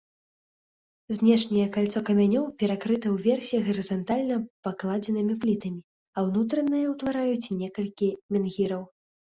Знешняе кальцо камянёў перакрыта ўверсе гарызантальна пакладзенымі плітамі, а ўнутранае ўтвараюць некалькі менгіраў.